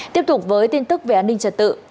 tiếp tục với tin tức về an ninh trật tự